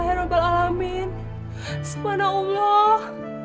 terima kasih allah